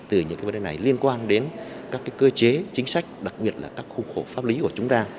từ những vấn đề này liên quan đến các cơ chế chính sách đặc biệt là các khu khổ pháp lý của chúng ta